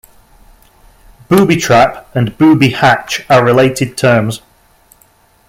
Booby trap and "booby hatch" are related terms.